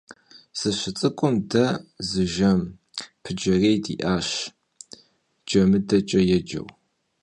СыщыцӀыкум, дэ зы жэм пыджэрей диӀащ, ДжэмыдэкӀэ еджэу.